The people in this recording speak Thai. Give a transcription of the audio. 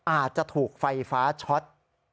อาจจะถูกไฟฟ้าช็อต